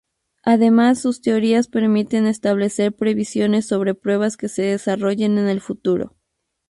Además sus teorías permiten establecer previsiones sobre pruebas que se desarrollen en el futuro.